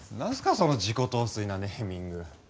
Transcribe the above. その自己陶酔なネーミング。